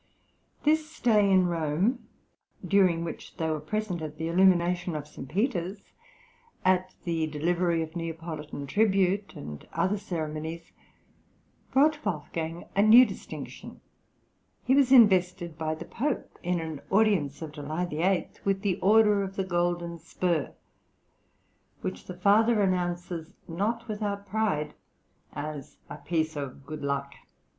This stay in Rome, during which they were present at the illumination of St. Peter's, at the delivery of Neapolitan tribute, and other ceremonies, brought Wolfgang a new distinction; he was invested by the Pope, in an {"RITTER MOZART" BOLOGNA, 1770.} (125) audience of July 8, with the order of the Golden Spur, which the father announces, not without pride, as "a piece of good luck."